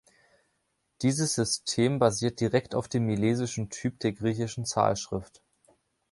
Dieses System basiert direkt auf dem milesischen Typ der griechischen Zahlschrift.